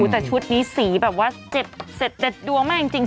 แต่ชุดนี้สีแบบว่าเจ็ดเงาะมากจริง